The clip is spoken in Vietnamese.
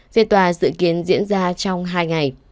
phiên tòa dự kiến diễn ra trong hai ngày